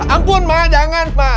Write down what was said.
ampun ma jangan ma